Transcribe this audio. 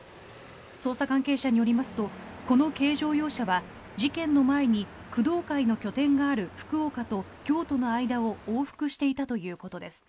捜査関係者によりますとこの軽乗用車は事件の前に工藤会の拠点がある福岡と京都の間を往復していたということです。